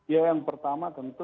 yang pertama tentu